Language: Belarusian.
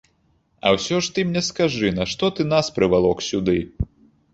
А ўсё ж ты мне скажы, нашто ты нас прывалок сюды?